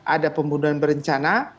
ada pembunuhan berencana